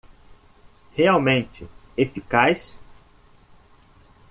Realmente eficaz?